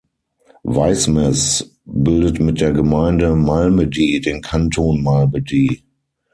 Weismes bildet mit der Gemeinde Malmedy den Kanton Malmedy.